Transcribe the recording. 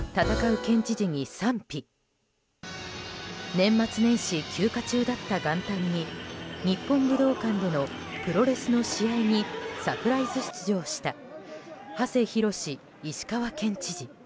年末年始休暇中だった元旦に日本武道館でのプロレスの試合にサプライズ出場した馳浩石川県知事。